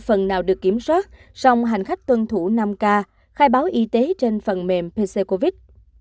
phần nào được kiểm soát song hành khách tuân thủ năm k khai báo y tế trên phần mềm pc covid